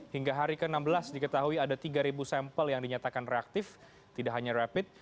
hingga hari ke enam belas diketahui ada tiga sampel yang dinyatakan reaktif tidak hanya rapid